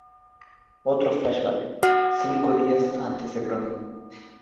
Otro flashback: "Cinco días antes de Prom".